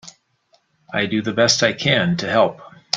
I do the best I can to help.